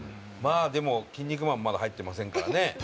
でも、『キン肉マン』まだ入ってませんからね。